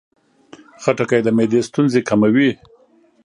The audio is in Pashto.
خټکی د معدې ستونزې کموي.